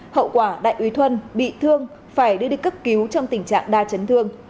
hậu quả đại úy thuân bị thương phải đưa đi cấp cứu trong tình trạng đa chấn thương